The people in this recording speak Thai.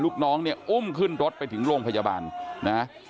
ลูกน้องเนี่ยอุ้มขึ้นรถไปถึงโรงพยาบาลนะ